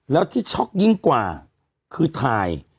แล้วที่ช็อกยิ่งกว่าคือถ่าย